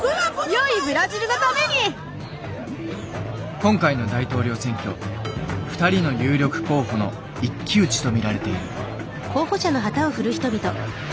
今回の大統領選挙２人の有力候補の一騎打ちと見られている。